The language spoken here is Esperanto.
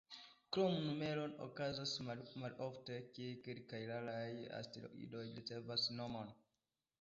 Krom numeron, okazas malofte, ke kelkaj raraj asteroidoj ricevas nomon.